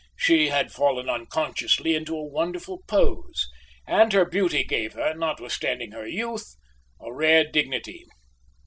She had fallen unconsciously into a wonderful pose, and her beauty gave her, notwithstanding her youth, a rare dignity.